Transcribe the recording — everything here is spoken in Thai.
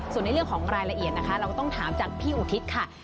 ส่วนในเรื่องของรายละเอียดนะคะเราก็ต้องถามจากพี่อุทิศค่ะ